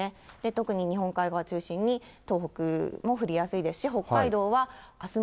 特に日本海側を中心に、東北も降りやすいですし、北海道はあすも。